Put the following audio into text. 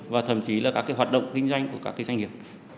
và thậm chí là các cái hoạt động kinh doanh của các doanh nghiệp